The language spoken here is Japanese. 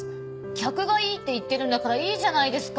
客がいいって言ってるんだからいいじゃないですか！